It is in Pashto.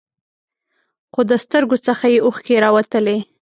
خو د سترګو څخه یې اوښکې راوتلې.